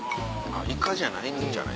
イカじゃないんじゃない？